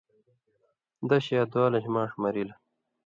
دَش یا دُوَالَش ماݜہ مرِلہۡ۔